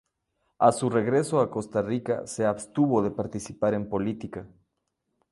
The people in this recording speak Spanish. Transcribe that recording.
A su regreso a Costa Rica se abstuvo de participar en política.